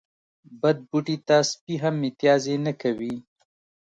بد بوټي ته سپي هم متازې نه کوی.